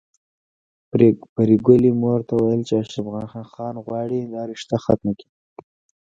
پري ګلې مور ته ويل چې اشرف خان غواړي دا رشته ختمه کړي